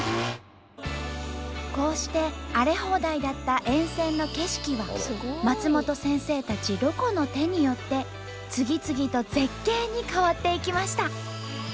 こうして荒れ放題だった沿線の景色は松本先生たちロコの手によって次々と絶景に変わっていきました。